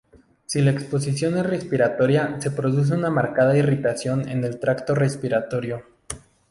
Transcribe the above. Si la exposición es respiratoria se produce una marcada irritación en el tracto respiratorio.